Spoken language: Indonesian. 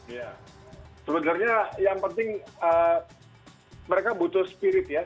ya sebenarnya yang penting mereka butuh spirit ya